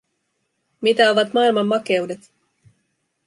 Mitä ovat maailman makeudet?